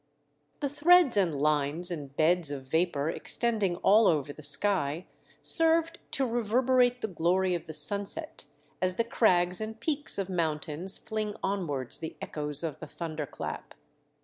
The threads and lines and beds of vapour extending all over the sky served to rever berate the glory of the sunset, as the crags and peaks of mountains fling onwards the echoes of the thunder clap.